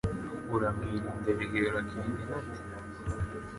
Uramwirinde Bigeyo Urakenge intati